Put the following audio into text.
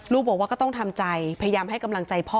บอกว่าก็ต้องทำใจพยายามให้กำลังใจพ่อ